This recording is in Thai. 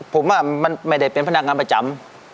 ผมว่ามันไม่ได้เป็นพนักงานประจำ